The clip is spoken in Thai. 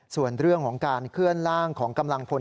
ส่วนเรื่องของการเคลื่อนล่างของกำลังพล